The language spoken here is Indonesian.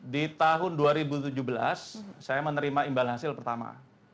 di tahun dua ribu tujuh belas saya menerima imbalan hasil pertama